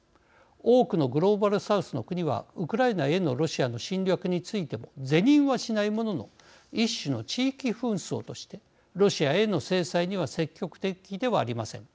多くのグローバルサウスの国はウクライナへのロシアの侵略についても是認はしないものの一種の地域紛争としてロシアへの制裁には積極的ではありません。